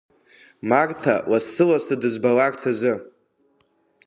Марҭа лассы-лассы дызбаларц азы.